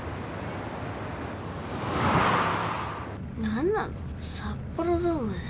何なの札幌ドームだし。